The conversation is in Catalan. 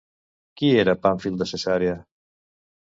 Qui era Pàmfil de Cesarea?